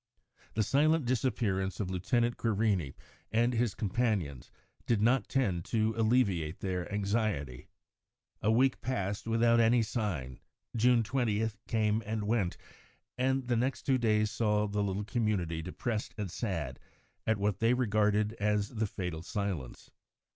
The silent disappearance of Lieutenant Querini and his companions did not tend to alleviate their anxiety. A week passed without any sign; June 20th came and went, and the next two days saw the little community depressed and sad at what they regarded as the fatal silence.